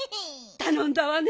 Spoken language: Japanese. たのんだわね